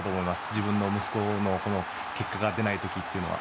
自分の息子の結果が出ない時というのは。